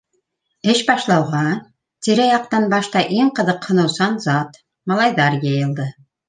Эш башланыуға тирә-яҡтан башта иң ҡыҙыҡһыныусан зат - малайҙар йыйылды.